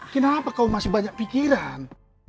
kenapa kau masih banyak pikiran